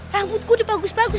rambut gue udah bagus bagus